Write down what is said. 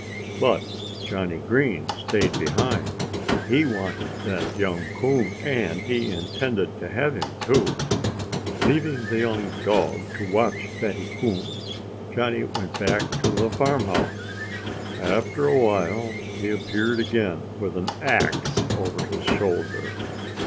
But Johnnie Green stayed behind. He wanted that young coon. And he intended to have him, too. Leaving the young dog to watch Fatty Coon, Johnnie went back to the farmhouse. After a while he appeared again with an axe over his shoulder.